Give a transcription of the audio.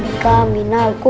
di kamina hai